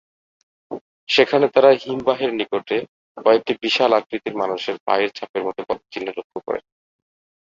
সেখানে তারা হিমবাহের নিকটে কয়েকটি বিশাল আকৃতির মানুষের পায়ের ছাপের মতো পদচিহ্ন লক্ষ্য করেন।